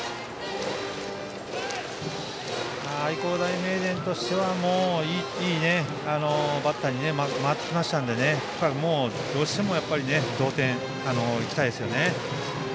愛工大名電としては一気にねいいバッターに回ってきたのでどうしても同点、いきたいですね。